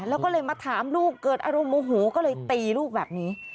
แล้วก็เลยมาถามลูกเกิดอารมณ์โมโหก็เลยตีลูกแบบนี้